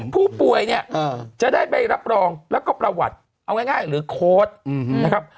ผู้ป่วยเนี่ยจะได้ใบรับรองแล้วก็ประวัติเอาง่ายหรือโค้ดนะครับ